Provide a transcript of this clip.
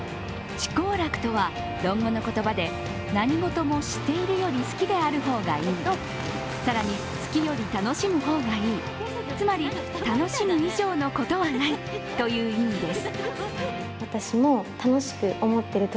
知好楽とは論語の言葉で、何事も知っているより好きである方がいい、更に好きより楽しむほうがいい、つまり楽しむ以上のことはないという意味です。